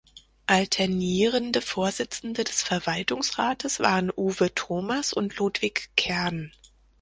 Alternierende Vorsitzende des Verwaltungsrates waren Uwe Thomas und Ludwig Kern.